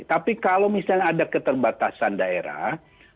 tapi kalau misalnya ada keterbatasan daerah